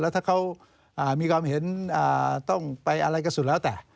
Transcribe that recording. ถ้าเขามีความเห็นต้องไปอะไรก็สุดแล้วแต่